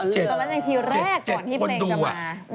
เจ็ดคนดูอะ